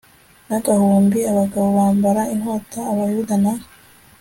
n agahumbi abagabo bambara inkota abayuda na